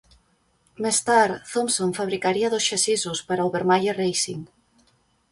Més tard, Thompson fabricaria dos xassissos per a Obermaier Racing.